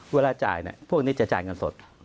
เวลาจ่ายพวกนี้จะจ่ายเงินสด